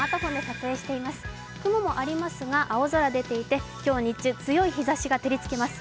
雲もありますが青空出ていて、今日日中強い日ざしが照りつけます。